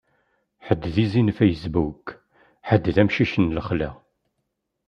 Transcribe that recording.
Ḥedd d izi n Facebook, ḥedd d amcic n lexla.